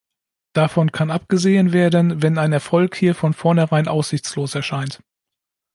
Davon kann abgesehen werden, wenn ein Erfolg hier von vornherein aussichtslos erscheint.